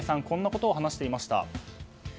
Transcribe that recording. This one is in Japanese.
こんなことを話していました。